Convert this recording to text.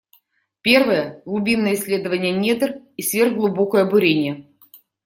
Первая — глубинное исследование недр и сверхглубокое бурение.